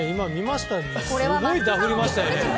すごいダフリましたよ。